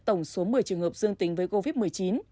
tổng số một mươi trường hợp dương tính với covid một mươi chín